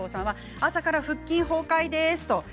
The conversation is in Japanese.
朝から腹筋崩壊です。